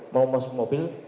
mau masuk mobil